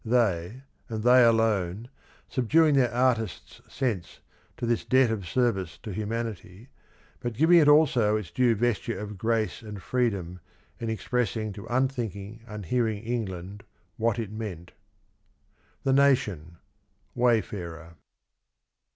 ... They, and they alone, subduing their artists' sense to this debt of service to humanity, but giving it also its due vesture of grace and freedom in expressing to unthinking, unhearing England what it meant." — The Nation (Wayfarer).